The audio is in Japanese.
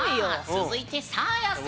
続いてサーヤさん。